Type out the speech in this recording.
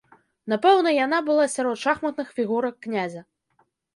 Напэўна яна была сярод шахматных фігурак князя.